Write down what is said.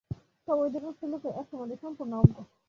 তবে অধিকাংশ লোকই এ-সম্বন্ধে সম্পূর্ণ অজ্ঞ।